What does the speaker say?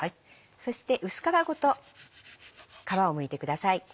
そして薄皮ごと皮をむいてください。